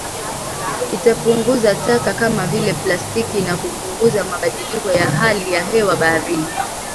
Itapunguza taka kama vile plastiki na kupunguza mabadiliko ya hali ya hewa baharini